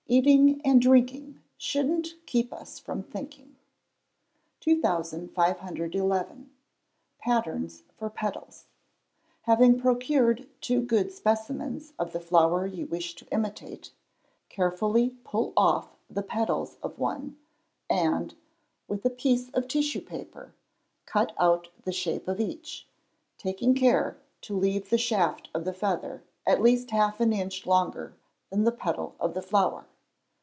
[EATING AND DRINKING SHOULDN'T KEEP US FROM THINKING.] 2511. Patterns for Petals. Having procured two good specimens of the flower you wish to imitate, carefully pull off the petals of one, and, with a piece of tissue paper, cut out the shape of each, taking care to leave the shaft of the feather at least half an inch longer than the petal of the flower.